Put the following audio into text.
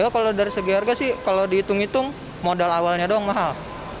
kalau dari segi harga sih kalau dihitung hitung modal awalnya doang mahal